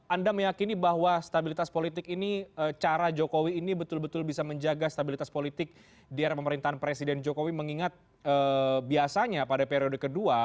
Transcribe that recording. anda meyakini bahwa stabilitas politik ini cara jokowi ini betul betul bisa menjaga stabilitas politik di era pemerintahan presiden jokowi mengingat biasanya pada periode kedua